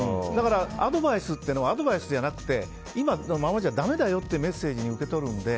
アドバイスというのはアドバイスじゃなくて今のままじゃだめだよというメッセージに受け取るので。